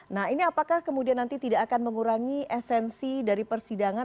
nah ini apakah kemudian nanti tidak akan mengurangi esensi dari persidangan